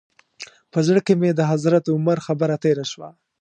په زړه کې مې د حضرت عمر خبره تېره شوه.